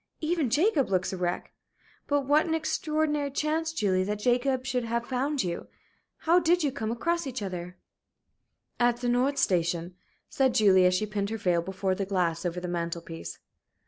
Even Jacob looks a wreck. But what an extraordinary chance, Julie, that Jacob should have found you! How did you come across each other?" "At the Nord Station," said Julie, as she pinned her veil before the glass over the mantel piece.